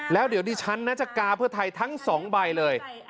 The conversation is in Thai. แล้วเดี๋ยวดิฉันนะจะกาเพื่อไทยทั้ง๒ใบเลย